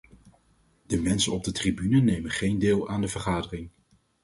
De mensen op de tribune nemen geen deel aan de vergadering.